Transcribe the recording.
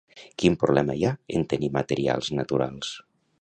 Quin problema hi ha en tenir materials naturals?